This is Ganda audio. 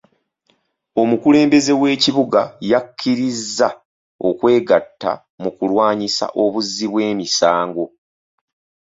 Omukulembeze w'ekibuga yakkirizza okwegatta mu kulwanyisa obuzzi bw'emisango.